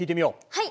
はい！